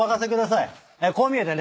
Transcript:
こう見えてね